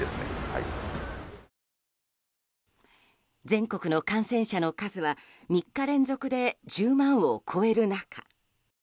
全国の感染者の数は３日連続で１０万を超える中